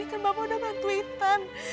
kamu sudah bantu nintan